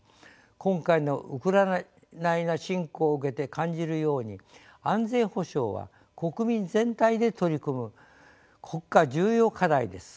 今回のウクライナ侵攻を受けて感じるように安全保障は国民全体で取り組む国家重要課題です。